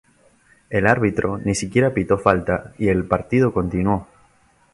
El árbitro ni siquiera pitó falta y el partido continuó.